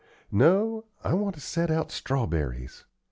"No, I want to set out strawberries.